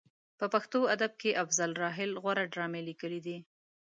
په پښتو ادب کې افضل راحل غوره ډرامې لیکلې دي.